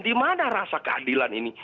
di mana rasa keadilan ini